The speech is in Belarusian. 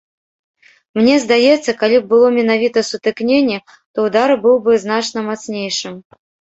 Мне здаецца, калі б было менавіта сутыкненне, то ўдар быў бы значна мацнейшым.